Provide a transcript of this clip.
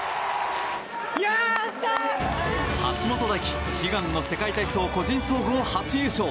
橋本大輝、悲願の世界体操個人総合優勝。